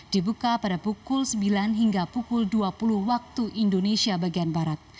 dibuka pada pukul sembilan hingga pukul dua puluh waktu indonesia bagian barat